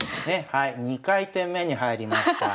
２回転目に入りました。